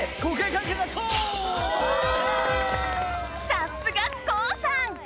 さっすがＫＯＯさん！